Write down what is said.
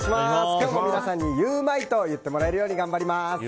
今日も皆さんにゆウマいと言ってもらえるように頑張ります。